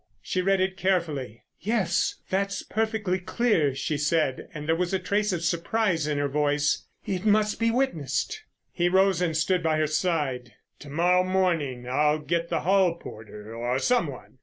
She read it carefully. "Yes, that's perfectly clear," she said, and there was a trace of surprise in her voice. "It must be witnessed." He rose and stood by her side. "To morrow morning. I'll get the hall porter or some one.